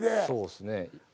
そうっすね。